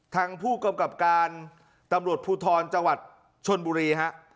ทางผู้กำกับการตำรวจภูทรจังหวัดชนบุรีฮะ